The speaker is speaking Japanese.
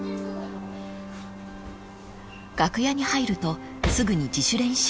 ［楽屋に入るとすぐに自主練習］